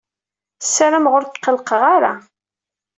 Ssarameɣ ur k-qellqeɣ ara.